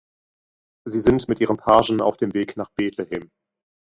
Sie sind mit ihrem Pagen auf dem Weg nach Betlehem.